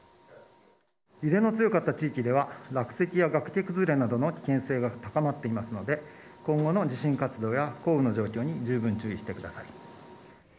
揺れの強かった地域では、落石や崖崩れなどの危険性が高まっていますので、今後の地震活動や降雨の状況に十分注意してください。